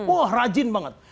wah rajin banget